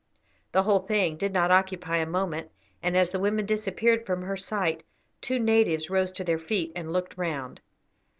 The whole thing did not occupy a moment, and as the women disappeared from her sight, two natives rose to their feet and looked round.